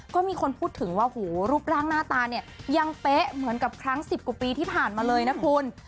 ก็มีคนพูดถึงว่าหูรูปร่างหน้าตาเนี่ยยังเป๊ะเหมือนกับครั้ง๑๐กว่าปีที่ผ่านมาเลยนะคุณ